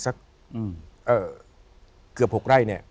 อืนเอ่อเกือบ๖ไร่เนี่ย